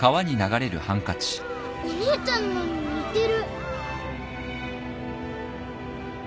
お姉ちゃんのに似てる。